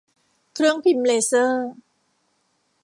เครื่องพิมพ์เลเซอร์